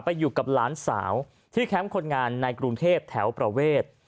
อยู่กับหลานสาวที่แคมป์คนงานในกรุงเทพแถวประเวท